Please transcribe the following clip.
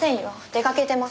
出かけてます。